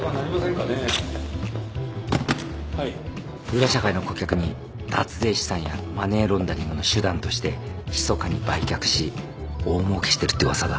裏社会の顧客に脱税資産やマネーロンダリングの手段としてひそかに売却し大もうけしてるって噂だ。